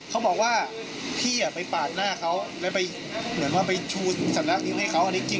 เขาบอกว่าพี่อ่ะไปปากหน้าเขาแล้วไปเหมือนว่าไปชูสัตว์รักษณ์ให้เขา